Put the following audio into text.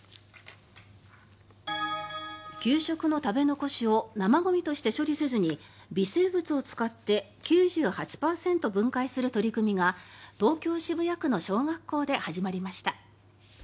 給食の食べ残しを生ゴミとして処理せずに微生物を使って９８％分解する取り組みが東京・渋谷区の小学校で始まりました。